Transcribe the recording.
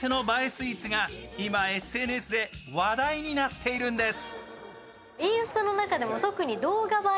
スイーツが今、ＳＮＳで話題になっているんです。